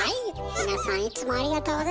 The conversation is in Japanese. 皆さんいつもありがとうございます。